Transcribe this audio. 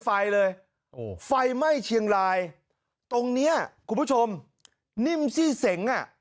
ไฟเลยโอ้ไฟไหม้เชียงรายตรงเนี้ยคุณผู้ชมนิ่มซี่เสงอ่ะ